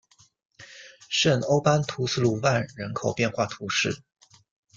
圣欧班福斯卢万人口变化图示